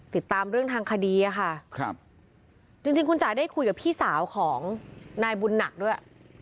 ติดตามเรื่องทางคดีอะค่ะครับจริงจริงคุณจ๋าได้คุยกับพี่สาวของนายบุญหนักด้วย